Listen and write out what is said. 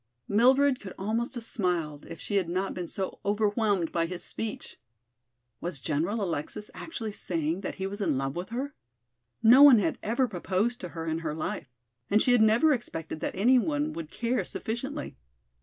Mildred could almost have smiled if she had not been so overwhelmed by his speech. Was General Alexis actually saying that he was in love with her? No one had ever proposed to her in her life and she had never expected that any one would care sufficiently.